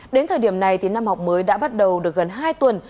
đến thời điểm này thì năm học mới đã bắt đầu được gần hai tuần